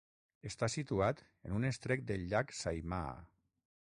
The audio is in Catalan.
Està situat en un estret del llac Saimaa.